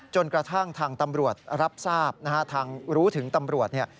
จนกระทั่งทางตำรวจรับทราบทางรู้ถึงตำรวจ